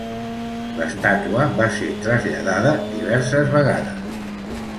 L'estàtua va ser traslladada diverses vegades.